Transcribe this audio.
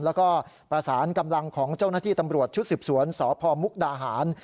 แล้วก็ประสานกำลังของเจ้าหน้าที่ตำรวจชุดสืบสวนสพมุกดาหาร